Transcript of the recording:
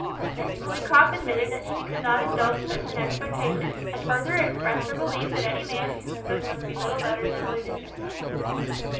Miss Lillycrop admitted that she could not indulge such an expectation, and further expressed her belief that any man who could must be little better than a lunatic.